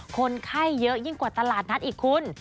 คนไข้เยอะยิ่งกว่าตลาดนัดอีกคุณ